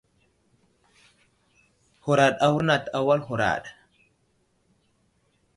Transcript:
Huraɗ awurnat a wal huraɗ.